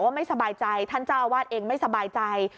ไม่สบายใจท่านเจ้าอาวาสเองไม่สบายใจ